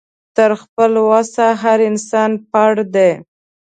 تر خپله وسه هر انسان پړ دی